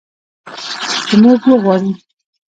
که موږ وغواړو.